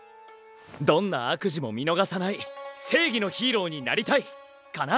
どんな悪事も見のがさない正義のヒーローになりたい！かな。